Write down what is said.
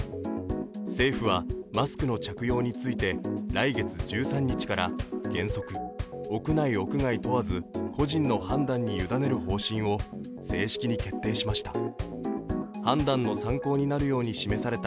政府はマスクの着用について来月１３日から原則、屋内・屋外問わず個人の判断に委ねる方針を正式に決定しました。